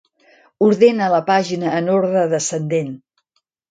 Ordena la pàgina en ordre descendent.